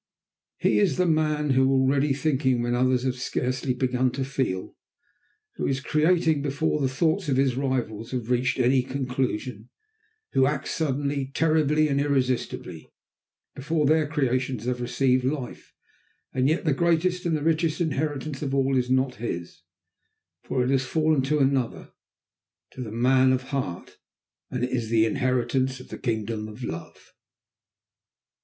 He is the man who is already thinking when others have scarcely begun to feel; who is creating before the thoughts of his rivals have reached any conclusion; who acts suddenly, terribly and irresistibly, before their creations have received life. And yet, the greatest and the richest inheritance of all is not his, for it has fallen to another, to the man of heart, and it is the inheritance of the kingdom of love.